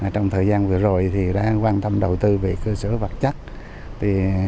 trong thời gian vừa rồi đã quan tâm đầu tư về cơ sở vật chất